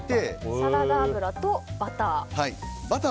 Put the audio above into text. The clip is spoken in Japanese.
サラダ油とバター。